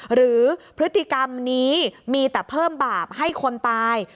หรือพฤติกรรมนี้มีแต่เพิ่มบาปให้คนตาย